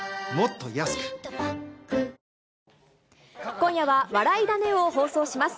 今夜は、笑いダネを放送します。